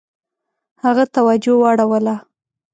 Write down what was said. هغه توجه واړوله.